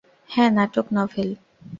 হাঁ নাটক, নভেল!